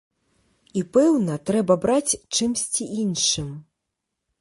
І, пэўна, трэба браць чымсьці іншым.